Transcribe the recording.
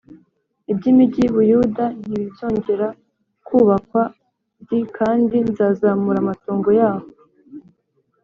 iby imigi y i Buyuda nti izongera kubakwa d kandi nzazamura amatongo yaho